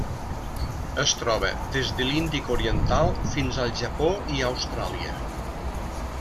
Es troba des de l'Índic oriental fins al Japó i Austràlia.